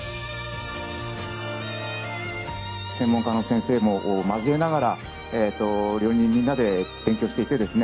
専門家の先生も交えながら料理人みんなで勉強していってですね